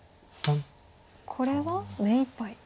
これは目いっぱい。